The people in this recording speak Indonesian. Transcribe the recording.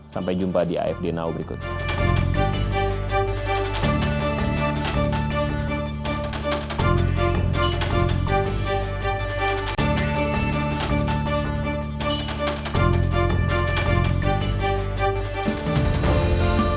sampai jumpa di afd now berikut